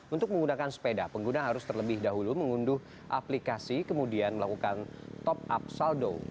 untuk menggunakan sepeda pengguna harus terlebih dahulu mengunduh aplikasi kemudian melakukan top up saldo